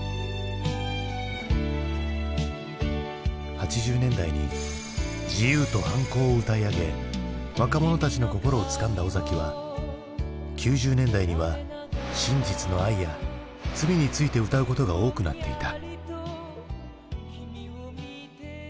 ８０年代に自由と反抗を歌い上げ若者たちの心をつかんだ尾崎は９０年代には真実の愛や罪について歌うことが多くなっていた。